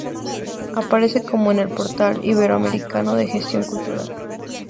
Aparece como en el Portal Iberoamericano de Gestión Cultural.